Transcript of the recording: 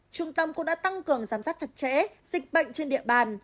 trung tâm cũng đã tăng cường giám sát chặt chẽ dịch bệnh trên địa bàn